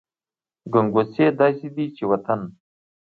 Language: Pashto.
ګنګوسې داسې دي چې وطن …